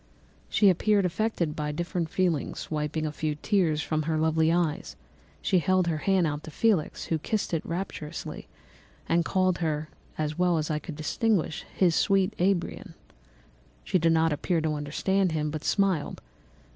She appeared affected by different feelings; wiping a few tears from her lovely eyes, she held out her hand to Felix, who kissed it rapturously and called her, as well as I could distinguish, his sweet Arabian. She did not appear to understand him, but smiled.